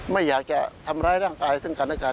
ไม่อยากจะทำร้ายร่างกายซึ่งกันและกัน